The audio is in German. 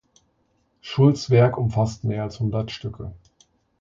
Schulz' Werk umfasst mehr als hundert Stücke.